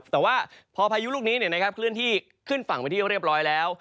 แต่ว่าพอพายุลูกนี้เคลื่อนที่ขึ้นฝั่งไปที่เรียบร้อยแล้ว